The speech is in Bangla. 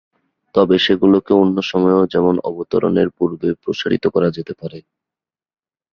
তবে সেগুলোকে অন্য সময়েও যেমন অবতরণের পূর্বে প্রসারিত করা যেতে পারে।